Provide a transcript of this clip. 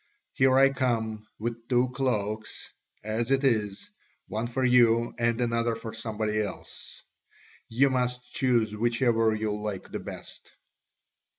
Here I come with two cloaks as it is, one for you and another for somebody else: you must choose whichever you like the best."